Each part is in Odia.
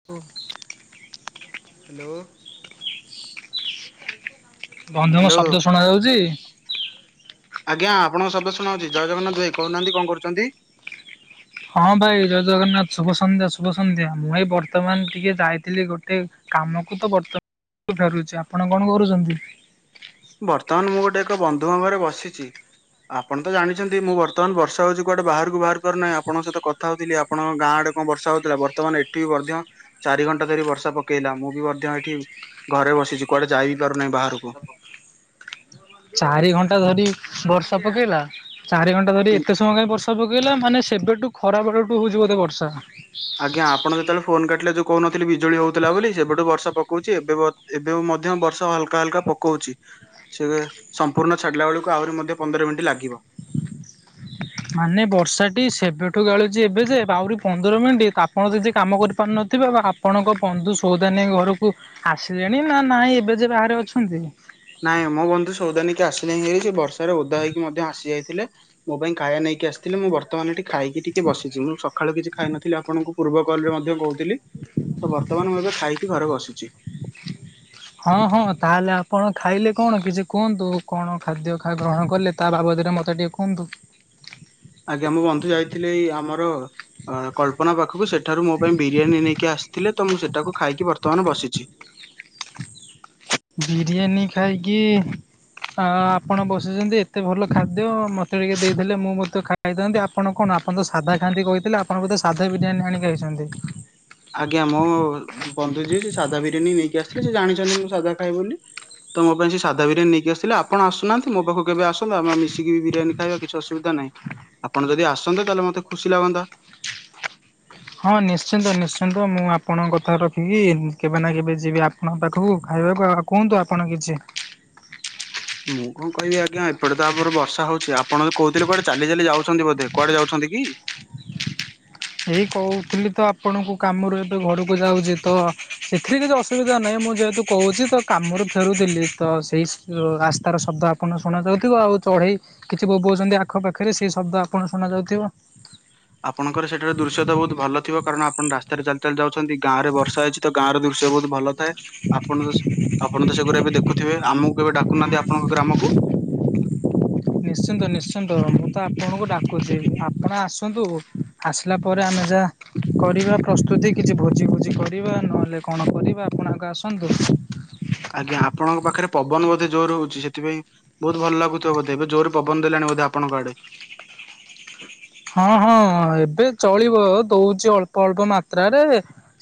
[inaudible] ହ୍ୟାଲୋ। ବନ୍ଧୁ ମ ହ୍ୟାଲୋ ଶବ୍ଦ ଶୁଣାଯାଉଚି? ଆଜ୍ଞା ଆପଣଙ୍କ ଶବ୍ଦ ଶୁଣାଉଛି ଜୟ ଜଗନ୍ନାଥ ଭାଇ କହୁନାହାନ୍ତି କଣ କରୁଛନ୍ତି? ହଁ ଭାଇ ଜୟ ଜଗନ୍ନାଥ ଶୁଭ ସନ୍ଧ୍ୟା ଶୁଭ ସନ୍ଧ୍ୟା ମୁଁ ଏଇ ବର୍ତ୍ତମାନ ଟିକେ ଯାଇଥିଲି ଗୋଟେ କାମକୁ ତ ବର୍ତ୍ତ ଫେରୁଛି ଆପଣ କଣ କରୁଚନ୍ତି? ବର୍ତ୍ତମାନ ମୁଁ ଗୋଟେ ଏକ ବନ୍ଧୁଙ୍କ ଘରେ ବସିଚି। ଆପଣ ତ ଜାଣିଛନ୍ତି ମୁଁ ବର୍ତ୍ତମାନ ବର୍ଷା ହଉଚି କୁଆଡେ ବାହାରକୁ ବାହାରୁ ପାରୁ ନାହିଁ ଆପଣଙ୍କ ସହିତ କଥା ହଉଥିଲି ଆ ଆପଣଙ୍କ ଗାଁ ଆଡେ କଣ ବର୍ଷା ହଉଥିଲା ବର୍ତ୍ତମାନ ଏଠି ବି ମଧ୍ୟ ଚାରି ଘଣ୍ଟା ଧରି ବର୍ଷା ପକେଇଲା ମୁଁ ବି ମଧ୍ୟ ଏଠି ଘରେ ବସିଛି କୁଆଡେ ଯାଇ ବିି ପାରୁନାହିଁ ବାହାରକୁ। ଚାରି ଘଣ୍ଟା ଧରି ବର୍ଷା ପକେଇଲା ଚାରି ଘଣ୍ଟା ଧରି ଏତେ ସମୟ କାଇଁ ବର୍ଷ ପକେଇଲା ମାନେ ସେବେଠୁ ଖରା [unintelligible] ପକଉଛି ବୋଧେ ବର୍ଷା। ଆଜ୍ଞା ଆପଣ ଯେତେବେଳେ ଫୋନ କାଟିଲେ ଯଉ କହୁନଥିଲେ ବିଜୁଳି ହଉଥିଲା ବୋଲି ସେବେଠୁ ବର୍ଷା ପକଉଛି ଏବେ ଏବେ ମଧ୍ୟ ବର୍ଷା ହଲକା ହାଲକା ପକଉଛି। ସେ ସମ୍ପୂର୍ଣ୍ଣ ଛାଡିଲା ବେଳକୁ ଆହୁରି ମଧ୍ୟ ପନ୍ଦର ମିନିଟ୍ ଲାଗିବ। ମାନେ ବର୍ଷା ଟି ସେବେଠୁ ଗାଳୁଛି ଏବେ ଯେ ଆହୁରି ପନ୍ଦର ମିନିଟ୍ ତ ଆପଣ ଯଦି କାମ କର ପାରୁନଥିବେ ବା ଆପଣଙ୍କ ବନ୍ଧୁ ସଉଦା ନେଇ ଘରକୁ ଆସିଲେଣି ନା ନାଇଁ ଏବେ ଯେ ବାହାରେ ଅଛନ୍ତି। ନାଇଁ ମୋ ବନ୍ଧୁ ସଉଦା ନେଇକି ଆସିଲେ [unintelligible] ବର୍ଷାରେ ଓଦା ହେଇକି ମଧ୍ୟ ଆସି ଯାଇଥିଲେ। ମୋ ପାଇଁ ଖାଇବା ନେଇକି ଆସିଥିଲେ ମୁଁ ବର୍ତ୍ତମାନ ଏଠି ଖାଇକି ଟିକେ ବସିଛି ମୁଁ ସକାଳୁ କିଛି ଖାଇନଥିଲି ଆପଣଙ୍କୁ ପୂର୍ବ କଲ ରେ ମଧ୍ୟ କହୁଥିଲି ତ ବର୍ତ୍ତମାନ ମୁଁ ଏବେ ଖାଇକି ଘରକୁ ବସିଛି। ହଁ ହଁ ତାହେଲେ ଆପଣ ଖାଇଲେ କଣ କିଛି କୁହନ୍ତୁ କଣ ଖାଦ୍ୟ ଖା ଗ୍ରହଣ କଲେ। ତା ବାବଦରେ ମତେ ଟିକେ କୁହନ୍ତୁ। ଆଜ୍ଞା ମୋ ବନ୍ଧୁ ଯାଇଥିଲେ ଏ ଆମର ଅ କଳ୍ପନା ପାଖକୁ ସେଠାରୁ ମୋ ପାଇଁ ବିରିୟାନୀ ନେଇକି ଆସି ଥିଲେ ତ ମୁଁ ସେଟାକୁ ଖାଇକି ବର୍ତ୍ତମାନ ବସିଛି। ବିରିୟାନୀ ଖାଇକି। ଆ ଆପଣ ବସୁଛନ୍ତି ଏତେ ଭଲ ଖାଦ୍ୟ ମତେ ଟିକେ ଦେଇଥିଲେ ମୁଁ ମଧ୍ୟ ଖା ଖାଇଥାନ୍ତି ଆପଣ କଣ ଆପଣ ତ ସାଧା ଖାଆନ୍ତି କହିଥିଲେ ଆପଣ ବୋଧେ ସାଧା ବିରିୟାନୀ ଆଣିକି ଖାଇଛନ୍ତି। ଆଜ୍ଞା ମୋ ବନ୍ଧୁ ଯିଏ ସେ ସାଧା ବିରିୟାନୀ ନେଇକି ଆସିଥିଲେ ସେ ଜାଣିଛନ୍ତି ମୁଁ ସାଧା ଖାଏ ବୋଲି। ତ ମୋ ପାଇଁ ସେ ସାଧା ବିରିୟାନ ନେଇକି ଆସଥିଲେ ଆପଣ ଆସୁନାହାନ୍ତି ମୋ ପାଖ କେବେ ଆସନ୍ତ ଆମେ ମିଶିକି ବିରିୟାନି ଖାଇବା କିଛି ଅସୁବିଧା ନାହିଁ। ଆପଣ ଯଦି ଆସନ୍ତେ ତାହେଲେ ମତେ ଖୁସି ଲାଗନ୍ତା। ହଁ ନିଶ୍ଚିନ୍ତ ନିଶ୍ଚିନ୍ତ ମୁଁ ଆପଣଙ୍କ କଥା ରଖିକି କେବେ ନା କେବେ ଯିବି ଆପଣ ପାଖକୁ ଖାଇବାକୁ ଆଉ କୁହନ୍ତୁ ଆପଣ କିଛି। ମୁଁ କଣ କହିବି ଆଜ୍ଞା ଏପଟେ ତ ଆପର ବର୍ଷା ହଉଛି ଆପଣ ତ କହୁଥିଲେ କୁଆଡେ ଚାଲି ଚାଲି ଯାଉଛନ୍ତି ବୋଧେ କୁଆଡେ ଯାଉଛନ୍ତି କି? ଏଇ କହୁଥିଲି ତ ଆପଣଙ୍କୁ କାମରୁ ଏବେ ଘରକୁ ଯାଉଛି ତ ସେଥିରେ କିଛି ଅସୁବିଧା ନାହିଁ ମୁଁ ଯେହେତୁ କହୁଛି ତ କାମରୁ ଫେରୁଥିଲି ତ ସ ସେଇ ରାସ୍ତାର ଶବ୍ଦ ଆପଣ ଶୁଣା ଯାଉଥିବ ଆଉ ଚଢ଼େଇ କିଛି ବୋବୋଉ ଚନ୍ତି ଆଖ ପାଖରେ ସେ ଶବ୍ଦ ଆପଣ ଶୁଣା ଯାଉଥିବ। ଆପଣଙ୍କର ସେଠାରେ ଦୃଶ୍ୟତ ବହୁତ ଭଲ ଥିବ କାରଣ ଆପଣ ରାସ୍ତାରେ ଚାଲି ଚାଲି ଯାଉଛନ୍ତି। ଗାଁ ରେ ବର୍ଷା ହେଇଛି ତ ଗାଁ ର ଦୃଶ୍ୟ ବହୁତ ଭଲ ଥାଏ ଆପଣ ତ ସ ଆପଣ ତ ସେଗୁରା ଏବେ ଦେଖୁଥିବେ ଆମକୁ କେବେ ଡାକୁନାହାନ୍ତି ଆପଣଙ୍କ ଗ୍ରାମ କୁ। ନିଶ୍ଚିନ୍ତ ନିଶ୍ଚିନ୍ତ ମୁଁ ତ ଆପଣଙ୍କୁ ଡାକୁଚି ଆପଣ ଆସନ୍ତୁ ଆସିଲା ପରେ ଆମେ ଯା କରିବା ପ୍ରସ୍ତୁତି କିଛି ଭୋଜି ଭୋଜି କରିବା ନହେଲେ କଣ କରିବା ଆପଣ ଆଗ ଆସନ୍ତୁ। ଆଜ୍ଞା ଆପଣଙ୍କ ପାଖରେ ପବନ ବୋଧେ ଜୋରରେ ହଉଛି ସେଥିପାଇଁ। ବୋହୁତ ଭଲ ଲାଗୁଥିବ ବୋଧେ ଏବେ ଜୋରରେ ପବନ ଦେଲାଣି ବୋଧେ ଆପଣଙ୍କ ଆଡେ। ହଁ ହଁ ଏବେ ଚଳିବ ଦୋଉଚି ଅଳ୍ପ ଅଳ୍ପ ମାତ୍ରାରେ।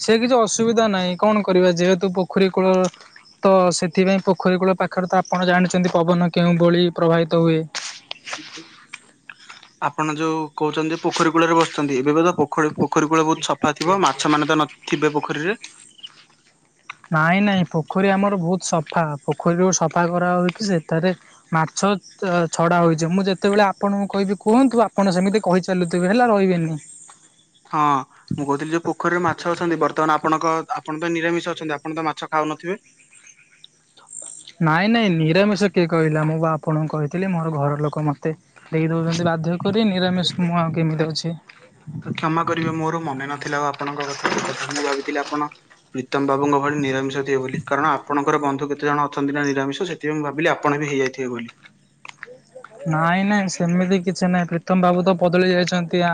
ସେ କିଛି ଅସୁବିଧା ନାହିଁ କଣ କରିବା ଯେହେତୁ ପୋଖରୀ କୂଳ ତ ସେଥିପାଇଁ ପୋଖରୀ କୂଳ ପାଖରେ ତ ଆପଣ ଜାଣିଛନ୍ତି ପବନ କେଉଁ ଭଳି ପ୍ରବାହିତ ହୁଏ। [inaudible] ଆପଣ ଯୋଉ କୋହୁଛନ୍ତି ଯେ ପୋଖରୀ କୂଳରେ ବସୁଛନ୍ତି ଏବେ ତ ପୋଖରୀ ପୋଖରୀ କୂଳ ବୋହୁତ ସଫା ଥିବ ମାଛ ମାନେ ତ ନ ଥିବେ ପୋଖରୀରେ। ନାଇଁ ନାଇଁ ପୋଖରୀ ଆମର ବୋହୁତ ସଫା ପୋଖରୀରୁ ସଫା କରାହୋଉଚି ସେଠାରେ ମାଛ ଛଡା ହୋଇଛି ମୁଁ ଯେତେବେଳେ ଆପଣଙ୍କୁ କହିବି କୁହନ୍ତୁ ଆପଣ ସେମିତି କହିଚାଲୁଥିବେ ହେଲା ରହିବେନି। ହଁ। ମୁଁ କହୁଥିଲି ଯୋଉ ପୋଖରୀରେ ମାଛ ଅଛନ୍ତି ବର୍ତ୍ତମାନ ଆପଣଙ୍କ ଆପଣ ତ ନିରାମିଷ ଅଛନ୍ତି ଆପଣ ତ ମାଛ ଖାଉନଥିବେ। ନାଇଁ ନାଇଁ ନିରାମିଷ କିଏ କହିଲା ମୁଁ ବା ଆପଣଙ୍କୁ କହିଥିଲି ମୋର ଘର ଲୋକ ମତେ ଦେଇ ଦୋଉଛନ୍ତି ବାଧ୍ୟ କରି ନିରାମିଷ ମୁଁ ଆଉ କେମିତି ଅଛି। କ୍ଷମା କରିବେ ମୋର ମନେ ନଥିଲା ଆପଣଙ୍କ କଥା ସେ କଥା ମୁଁ ଭାବିଥିଲି ଆପଣ ପ୍ରୀତମ ବାବୁଙ୍କ ଭଳି ନିରାମିଷ ବୋଲି କାରଣ ଆପଣଙ୍କର ବନ୍ଧୁ କେତେ ଜଣ ଅଛନ୍ତି ନା ନିରାମିଷ ସେଥିପାଇଁ ମୁଁ ଭାବିଲି ଆପଣ ବି ହେଇଯାଇଥିବେ ବୋଲି। ନାଇଁ ନାଇଁ ସେମିତି କିଛି ନାଇଁ ପ୍ରୀତମ ବାବୁ ତ ବଦଳି ଯାଇଛନ୍ତି ଆ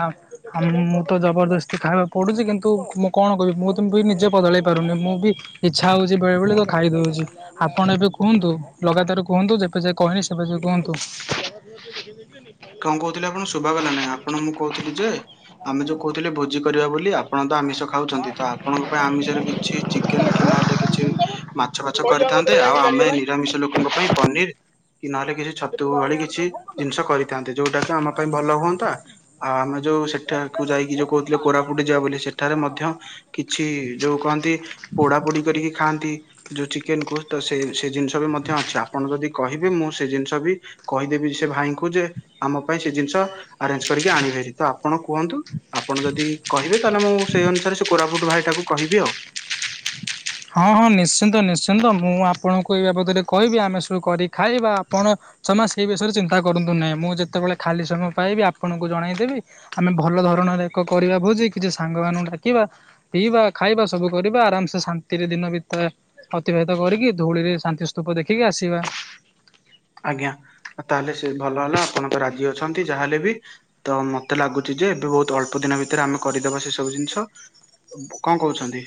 ଆ ମୁଁ ତ ଜବରଦସ୍ତି ଖାଇବାକୁ ପଡୁଚି କିନ୍ତୁ ମୁଁ କଣ କହିବି ମୁଁ ତ ମୁଁ ବି ନିଜେ ବଦଳେଇ ପାରୁନି ମୁଁ ବି ଇଚ୍ଛା ହଉଚି ବେଳେଵେଳେ ତ ଖାଇଦୋଉଚି। ଆପଣ ଏବେ କୁହନ୍ତୁ ଲଗାତାର କୁହନ୍ତୁ ଯେତେ ଯାଏ କହିନୀ ସେବେ ଯାଏ କୁହନ୍ତୁ। [unintelligible] କଣ କହୁଥିଲେ ଆପଣ ଶୁଭାଗଲା ନାଇଁ ଆପଣ ମୁଁ କହୁଥିଲି ଯେ ଆମେ ଯୋଉ କୋହୁଥିଲେ ଭୋଜି କରିବା ବୋଲି ଆପଣ ତ ଆମିଷ ଖାଉଚନ୍ତି ତ ଆପଣଙ୍କ ପାଇଁ ଆମିଷରେ କିଛି ଚିକେନ କି ନହେଲେ କିଛି ମାଛ ଫାଚ କରିଥାନ୍ତେ ଆଉ ଆମେ କୁହନ୍ତୁ। ନିରାମିଷ ଲୋକଙ୍କ ପାଇଁ ପନିର କି ନହେଲେ କିଛି ଛତୁ ଭଳି କିଛି ଜିନିଷ କରିଥାନ୍ତେ ଯୋଉଟା କି ଆମ ପାଇଁ ଭଲ ହୁଅନ୍ତା। ହଁ ଆମେ ଯୋଉ ସେଠାକୁ ଯାଇକି ଯୋଉ କୋହୁଥିଲେ କୋରାପୁଟ ଯିବା ବୋଲି ସେଠାରେ ମଧ୍ୟ କିଛି ଯୋଉ କହନ୍ତି ପୋଡା ପୋଡି କରିକି ଖାଆନ୍ତି ଯୋଉ ଚିକେନ କୁ ତ ସେ ସେ ଜିନିଷ ମଧ୍ୟ ଅଛି ଆପଣ ଯଦି କହିବେ ମୁଁ ସେ ଜିନିଷ ବି କହିଦେବି ସେ ଭାଇଙ୍କୁ ଯେ ଆମ ପାଇଁ ସେ ଜିନିଷ ଆରେଞ୍ଜ କରିକି ଆଣିବେ ହାରି ତ ଆପଣ କୁହନ୍ତୁ ଆପଣ ଯଦି କହିବେ ତାହେଲେ ମୁଁ ସେଇ ଅନୁସାରେ ସେ କୋରାପୁଟ ଭାଇଟାକୁ କହିବି ଆଉ। ହଁ ହଁ ନିଶ୍ଚିନ୍ତ ନିଶ୍ଚିନ୍ତ ମୁଁ ଆପଣଙ୍କୁ ଏଇ ବାବଦରେ କହିବି ଆମେ ସବୁ କରିିକି ଖାଇବା ଆପଣ ଜମା ସେଇ ବିଷୟରେ ଚିନ୍ତା କରନ୍ତୁ ନାହିଁ ମୁଁ ଯେତେବେଳେ ଖାଲି ସମୟ ପାଇବି ଆପଣଙ୍କୁ ଜଣେଇଦେବି। ଆମେ ଭଲ ଧରଣର ଏକ କରିବା ଭୋଜି କିଛି ସାଙ୍ଗ ମାନଙ୍କୁ ଡାକିବା। ପିଇବା ଖାଇବା ସବୁ କରିବା ଆରାମ ସେ ଶାନ୍ତି ତିନି ଦିନ ବିତା ଅତିବାହିତ କରିକି ଧୋଉଳିରେ ଶାନ୍ତି ସ୍ତୂପ ଦେଖିକି ଆସିବା। ଆଜ୍ଞା ତାହେଲେ ସେ ଭଲ ହେଲା ଆପଣ ତ ରାଜି ଅଛନ୍ତି ଯାହାହେଲେ ବି ତ ମତେ ଲାଗୁଚି ଯେ ଏବେ ବହୁତ ଅଳ୍ପ ଦିନ ଭିତରେ ଆମେ କରିଦବା ସେ ସବୁ ଜିନିଷ। ବୋ କଣ କହୁଛନ୍ତି?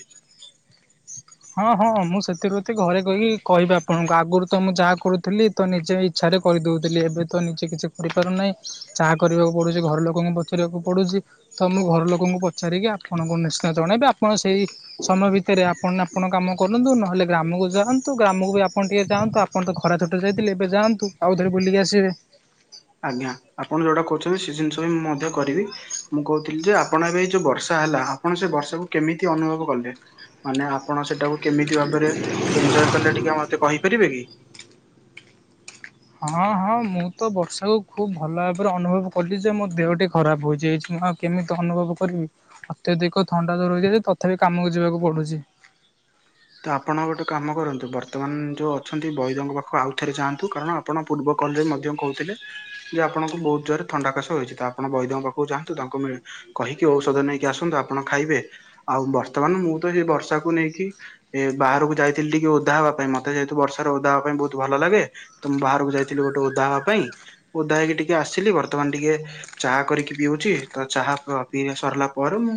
ହଁ ହଁ ମୁଁ ସେଥିରୁତି ଘରେ କହିକି କହିବି ଆପଣଙ୍କୁ ଆଗରୁ ତ ମୁଁ ଯାହା କରୁଥିଲି। ତ ନିଜେ ଇଚ୍ଛାରେ କରିଦଉଥିଲି ଏବେ ତ ନିଜେ କିଛି କରିପାରୁନାହିଁ। ଚାହା କରିବାକୁ ପଡୁଚି ଘର ଲୋକଙ୍କୁ ପଚାରିବାକୁ ପଡୁଚି। ତ ମୁଁ ଘର ଲୋକଙ୍କୁ ପଚାରିକି ଆପଣଙ୍କୁ ନିଶ୍ଚୟ ଜଣେଇବି ଆପଣ ସେଇ ସମୟ ଭିତରେ ଆପଣ ଆପଣ କାମ କରନ୍ତୁ ନହେଲେ ଗ୍ରାମକୁ ଯାଆନ୍ତୁ ଗ୍ରାମକୁ ବି ଆପଣ ଟିକେ ଯାଆନ୍ତୁ ଆପଣ ତ ଖରା ଛୁଟି ରେ ଯାଇଥିଲେ ଏବେ ଯାଆନ୍ତୁ। ଆଉ ଥରେ ବୁଲିକି ଆସିବେ। ଆଜ୍ଞା ଆପଣ ଯୋଉଟା କହୁଚନ୍ତି ସେ ଜିନିଷ ବି ମୁଁ ମଧ୍ୟ କରିବି ମୁଁ କହୁଥିଲି ଯେ ଆପଣ ଏବେ ଯୋଉ ବର୍ଷା ହେଲା ଆପଣ ସେ ବର୍ଷାକୁ କେମିତି ଅନୁଭବ କଲେ। ମାନେ ଆପଣ ସେଟାକୁ କେମିତି ଭାବରେ ଏନ୍ଞ୍ଜୟ କଲେ ଟିକେ ମତେ କହିପାରିବେ କି? ହଁ ହଁ ମୁଁ ତ ବର୍ଷାକୁ ଖୁବ୍ ଭଲ ଭାବରେ ଅନୁଭବ କଲି ଯେ ମୋ ଦେହଟି ଖରାପ ହୋଇଯାଇଚି ମୁଁ ଆଉ କେମିତି ଅନୁଭବ କରିବି ଅତ୍ୟଧିକ ଥଣ୍ଡା ଜ୍ବର ହୋଇଯାଇଚି ତଥାପି କାମକୁ ଯିବାକୁ ପଡୁଚି। ତ ଆପଣ ଗୋଟେ କାମ କରନ୍ତୁ ବର୍ତ୍ତମାନ ଯୋଉ ଅଛନ୍ତି ବୈଦଙ୍କ ପାଖକୁ ଆଉ ଥରେ ଯାଆନ୍ତୁ କାରଣ ଆ ପଣ ପୂର୍ବ କଲ୍ ରେ ମଧ୍ୟ କହୁଥିଲେ। ଯେ ଆପଣଙ୍କୁ ବହୁତ ଜୋରରେ ଥଣ୍ଡା କାଶ ହୋଇଛି ତ ଆପଣ ବୈଦଙ୍କ ପାଖକୁ ଯାଆନ୍ତୁ ତାଙ୍କୁ ମେ କହି କି ଔଷଧ ନେଇକି ଆସନ୍ତୁ ଆପଣ ଖାଇବେ ଆଉ ବର୍ତ୍ତମାନ ମୁଁ ତ ସେଇ ବର୍ଷାକୁ ନେଇକି ଏ ବାହାରକୁ ଯାଇଥିଲି ଟିକେ ଓଦା ହବା ପାଇଁ ମତେ ଯେହେତୁ ବର୍ଷାରେ ଓଦା ହବା ପାଇଁ ବହୁତ ଭଲ ଲାଗେ। ତ ମୁଁ ବାହାରକୁ ଯାଇଥିଲି ଗୋଟେ ଓଦା ହବା ପାଇଁ ଓଦା ହେଇକି ଟିକେ ଆସିଲି ବର୍ତ୍ତମାନ ଟିକେ ଚାହା କରିକି ପିଉଚି ତ ଚାହା ପିଇବା ସରିଲା ପରେ ମୁଁ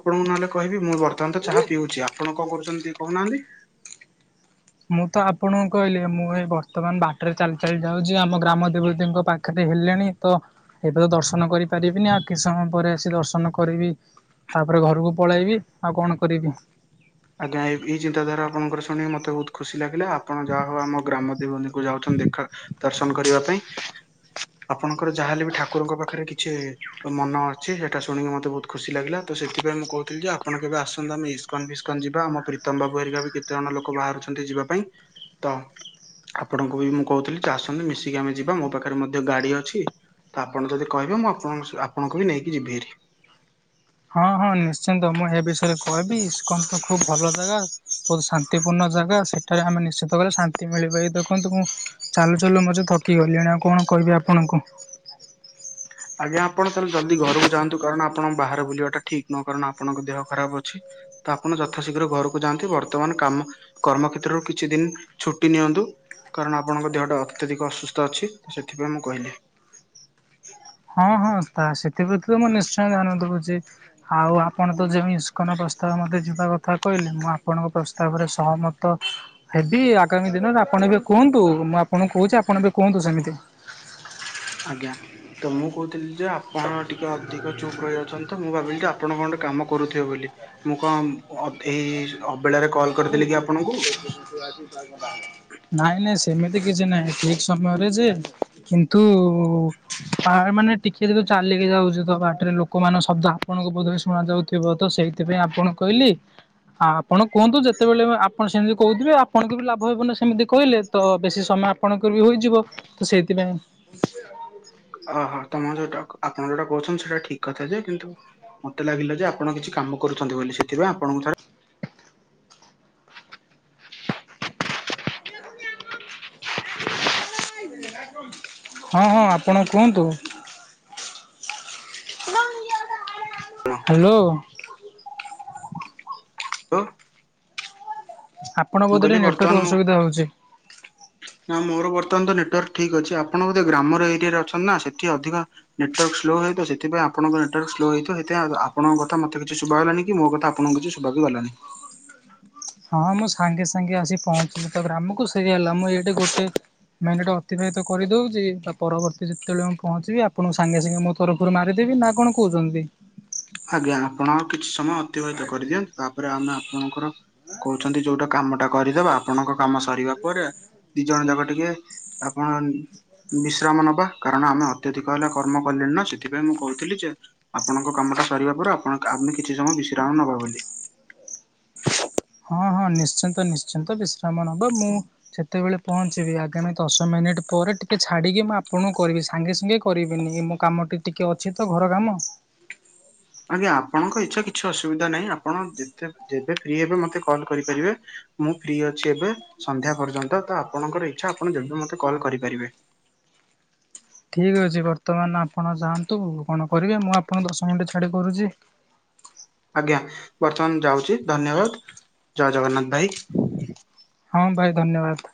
ଆପଣଙ୍କୁ ନହେଲେ କହିବି ମୁଁ ବର୍ତ୍ତମାନ ତ ଚାହା ପିଉଚି ଆପଣ କଣ କରୁଚନ୍ତି ଟିକେ କହୁନାହାନ୍ତି? ମୁଁ ତ ଆପଣଙ୍କୁ କହିଲି ମୁଁ ଏଇ ବର୍ତ୍ତମାନ ବାଟରେ ଚାଲି ଚାଲି ଯାଉଚି ଆମ ଗ୍ରାମ ଦେବତୀଙ୍କ ପା ଖେରେ ହେଲେଣି ତ ଏବେ ତ ଦର୍ଶନ କରିପାରିବିନି ଆଉ କିଛି ସମୟ ପରେ ଆସି ଦର୍ଶନ କରିବି। ତାପରେ ଘରୁକୁ ପଳେଇବି ଆଉ କଣ କରିବି? ଆଜ୍ଞା ଏ-ଏଇ ଚିନ୍ତାଧାରା ଆପଣଙ୍କର ଶୁଣିି ମତେ ବହୁତ ଖୁସି ଲାଗିଲା ଆପଣ ଯାହା ହଉ ଆମ ଗ୍ରାମ ଦେବତୀଙ୍କୁ ଯାଉଛନ୍ତି ଦେଖା ଦର୍ଶନ କରିବା ପାଇଁ ଆପଣଙ୍କର ଯାହା ହେଲେ ବି ଠାକୁରଙ୍କ ପାଖେରେ କିଛି ମନ ଅଛି ସେଟା ଶୁଣିକି ମତେ ବହୁ ଖୁସି ଲାଗିଲା ତ ସେଥିପାଇଁ ମୁଁ କହୁଥିଲି ଯେ ଆପଣ କେବେ ଆସନ୍ତୁ ଆମେ ଇସ୍କନ୍ ଫି କନ୍ ଯିବା ଆମ ପ୍ରୀତମ ବାବୁ ହେରିକା ବି କେତେ ଜଣ ଲୋକ ବାହାରୁଛନ୍ତି ଯିବା ପାଇଁ ତ ଆପଣଙ୍କୁ ବି ମୁଁ କହୁଥିଲି ଯେ ଆସନ୍ତୁ ମିଶିକି ଆମେ ଯିବା ମୋ ପାଖରେ ମଧ୍ୟ ଗାଡି ଅଛି। ତ ଆପଣ ଯଦି କହିବେ ମୁଁ ଆପଣ ସ ଆପଣଙ୍କୁ ବି ନେଇକି ଯିବି ହେରି। ହଁ ହଁ ନିଶ୍ଚିନ୍ତ ମୁଁ ହେ ବିଷୟରେ କହିବି ଇସ୍କନ୍ ତ ଖୁବ୍ ଭଲ ଜାଗା। ବହୁତ ଶାନ୍ତିପୂର୍ଣ୍ଣ ଜାଗା ସେଠାରେ ଆମେ ନିଶ୍ଚିତ ଭାବରେ ଶାନ୍ତି ମିଳିପାଳେ ଦେଖନ୍ତୁ। ଚାଲୁ ଚାଲୁ ମୁଁ ଯେ ଥକି ଗଲିଣି ଆଉ କଣ କହିବି ଆପଣଙ୍କୁ? ଆଜ୍ଞା ଆପଣ ତାହେଲେ ଜଲ୍ଦି ଘରକୁ ଯାଆନ୍ତୁ ଆପଣଙ୍କ ବାହରେ ବୁଲିବା ଟା ଠିକ୍ ନୁହେଁ କାରଣ ଆପଣଙ୍କ ଦେହ ଖରାପ ଅଛି। ତ ଆପଣ ଯଥାଶୀଘ୍ର ଘରୁକୁ ଯାଆନ୍ତି ବର୍ତ୍ତମାନ କାମ କର୍ମ କ୍ଷେତ୍ରରୁ କିଛି ଦିନ୍ ଛୁଟି ନିଅନ୍ତୁ। କାରଣ ଆପଣଙ୍କ ଦେହଟା ଅତ୍ୟଧିକ ଅସୁସ୍ଥ ଅଛି ସେଥିପାଇଁ ମୁଁ କହିଲି। ହଁ ହଁ ତା ସେଥିପ୍ରତି ତ ମୁଁ ନିଶ୍ଚୟ ଧ୍ୟାନ ଦଉଚି। ଆଉ ଆପଣ ତ ଯେଉଁ ଇସ୍କନ ପ୍ରସ୍ତାବ ମୋତେ ଯିବା କଥା କହିଲେ ମୁଁ ଆପଣଙ୍କ ପ୍ରସ୍ତାବରେ ସହମତ ହେବି ଆଗାମୀ ଦିନରେ ଆପଣ ଏବେ କୁହନ୍ତୁ ମୁଁ ଆପଣଙ୍କୁ କହୁଚି ଆପଣ ଏବେ କୁହନ୍ତୁ ସେମିତି। ଆଜ୍ଞା ତ ମୁଁ କହୁଥିଲି ଯେ ଆପଣ ଟିକେ ଅଧିକ ଚୁପ୍ ରହିଯାଉଛନ୍ତି। ତ ମୁଁ ଭାବିଲି ତ ଆପଣ କଣ ଗୋଟେ କାମ କରୁଥିବେ ବୋଲି ମୁଁ କଣ ଅଭେରେ ଅବେଳାରେ କଲ୍ କରିଦେଲି କି ଆପଣଙ୍କୁ? ନାଇଁ ନାଇଁ ସେମିତି କିଛି ନାଇଁ ଠିକ୍ ସମୟରେ ଯେ କିନ୍ତୁ ପାଏ ମାନେ ଟିକେ ଯେତେ ଚାଲିକି ଯାଉଚୁ ତ ବାଟେରେ ଲୋକ ମାନ ଶବ୍ଦ ଆପଣଙ୍କ ବୋଧେ ହେ ଶୁଣା ଯାଉଥିବ ତ ସେଇଥିପାଇଁ ଆପଣ କହିଲି ଆପଣ କୁହନ୍ତୁ ଯେ ସେତେବେଳେ ଆପଣ ସେମିତି କହୁଥିବେ ଆପଣଙ୍କ ବି ଲାଭ ହେବ ନା ସେମିତି କହିଲେ ତ ବେଶୀ ସମୟ ଆପଣଙ୍କର ବି ହୋଇଯିବ। ତ ସେଇଥିପାଇଁ ଅ ହ ତମ ଯୋଉଟା ଆପଣ ଯୋଉଟା କହୁଚନ୍ତି ସେଇଟା ଠିକ କଥା ଯେ କିନ୍ତୁ ମତେ ଲାଗିଲା ଯେ ଆପଣ କିଛି କାମ କରୁଛନ୍ତି ବୋଲି ସେଥିପାଇଁ ଆପଣଙ୍କୁ ଛାଡ଼ି ହଁ ହଁ ଆପଣ କୁହନ୍ତୁ। ଥରେ ହାଲୋ। ଲୋ। ଆପଣଙ୍କ ବୋଧରେ କହିଲି ବର୍ତ୍ତମାନ ନେଟୱାର୍କ ମୁଁ ଅସୁବିଧା ହଉଚି। [inaudible] ନା ମୋର ବର୍ତ୍ତମାନ ତ ନେଟୱାର୍କ ଠିକ୍ ଅଛି ଆପଣ ବୋଧେ ଗ୍ରାମର ଏରିଆରେ ଅଛନ୍ତି ନା ସେଠି ଅଧିକ ନେଟୱାର୍କ ସ୍ଲୋ ହେଇ ତ ସେଥିପାଇଁ ଆପଣଙ୍କ ନେଟୱାର୍କ ସ୍ଲୋ ହେଇଥିବ ସେଥିପାଁ ଆ ଆପଣଙ୍କ କଥା ମତେ କିଛି ଶୁଭା ହେଲାନି କି ମୋ କଥା ଆପଣଙ୍କୁ କିଛି ଶୁ ବାଗୁଲ୍ ହେଲାନି। ହଁ ମୁଁ ସାଙ୍ଗେ ସାଙ୍ଗେ ଆସି ପହଞ୍ଚିଲି ତ ଗ୍ରାମକୁ ସେଇଆ ହେଲା ମୁଁ ଏଇଠି ଗୋଟେ ମାଇଣ୍ଡଟା ଅତିବାହିତ କରିଦେଉଚି ବା ପରବର୍ତ୍ତୀ ଯେତେବେଳେ ମୁଁ ପହଞ୍ଚିବି ଆପଣଙ୍କ ସାଙ୍ଗେ ସାଙ୍ଗେ ମୋ କରୁ କରୁ ମାରିଦେବି ନା କଣ କହୁଛନ୍ତି? ଆଜ୍ଞା ଆପଣ ଆଉ କିଛି ସମୟ ଅତିବାହିତ କରିଦିଅ ତାପରେ ଆମେ ଆପଣଙ୍କର କହୁଛନ୍ତି ଯୋଉଟା କାମ ଟା କରିଦବା ଆପଣଙ୍କ କାମ ସରିବା ପରେ ଦି ଜଣ ଯାକ ଟିକେ ଆପଣ ବିଶ୍ରାମ ନବା କାରଣ ଆମେ ଅତ୍ୟଧିକ ହେଲା କର୍ମ କଲେଣି ନା ସେଥିପାଇଁ ମୁଁ କହୁଥିଲି ଯେ ଆପଣଙ୍କ କାମଟା ସରିବା ପରେ ଆପଣ ଆମେ କିଛି ସମୟ ବିଶ୍ରାମ ନବା ବୋଲି। ହଁ ହଁ ନିଶ୍ଚିନ୍ତ ନିଶ୍ଚିନ୍ତ ବିଶ୍ରାମ ନବ ମୁଁ ସେତେବେଳେ ପହଞ୍ଚିବି ଆଗାମୀ ଦଶ ମିନିଟ୍ ପରେ ଟିକେ ଛାଡ଼ିକି ମୁଁ ଆପଣଙ୍କୁ କରିବି ସାଙ୍ଗେ ସାଙ୍ଗେ କରିବିନି ମୁଁ କାମ ଟି ଟିକେ ଅଛି ତ ଘର କାମ। ଆଜ୍ଞା ଆପଣଙ୍କ ଇଛା କିଛି ଅସୁବିଧା ନାହିଁ ଆପଣ ଯେତେ ଯେବେ ଫ୍ରି ହେବେ ମତେ କଲ କରିପାରିବେ। ମୁଁ ଫ୍ରି ଅଛି ଏବେ ସନ୍ଧ୍ୟା ପର୍ଯ୍ୟନ୍ତ ତ ଆପଣଙ୍କର ଇଚ୍ଛା ଆପଣ ଯେବେ ମୋତେ କଲ୍ କରିପାରିବେ। ଠିକ୍ ଅଛି ବର୍ତ୍ତମାନ ଆପଣ ଯାଆନ୍ତୁ କଣ କରିବେ ମୁଁ ଆପଣ ଦଶ ମିନିଟ୍ ଛାଡ଼ି କରୁଛି। ଆଜ୍ଞା ବର୍ତ୍ତମାନ ଯାଉଛି ଧନ୍ୟବାଦ ଜୟ ଜଗନ୍ନାଥ ଭାଇ। ହଁ ଭାଇ ଧନ୍ୟବାଦ।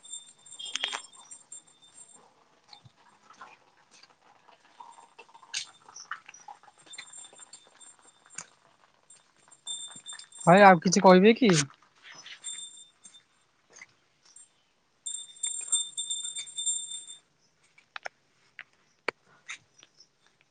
ଭାଇ ଆଉ କିଛି କହିବେ କି?